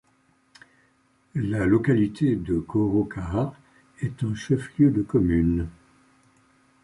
La localité de Korokaha est un chef-lieu de commune.